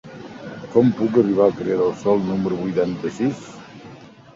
Com puc arribar al carrer del Sol número vuitanta-sis?